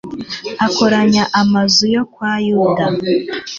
akoranya amazu yo kwa yuda